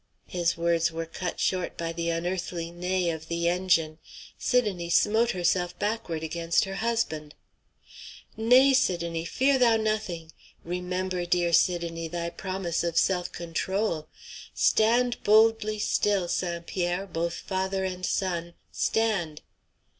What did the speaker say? His words were cut short by the unearthly neigh of the engine. Sidonie smote herself backward against her husband. "Nay, Sidonie, fear thou nothing! Remember, dear Sidonie, thy promise of self control! Stand boldly still, St. Pierre; both father and son, stand."